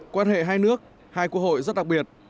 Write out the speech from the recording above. quan hệ hai nước hai quốc hội rất đặc biệt